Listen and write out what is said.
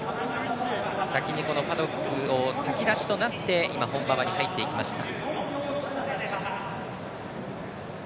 パドックを先出しとなって本馬場に入っていきました。